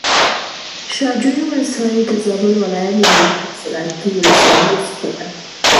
شاه جوی ولسوالي د زابل ولايت له مهمو زراعتي ولسواليو څخه ده.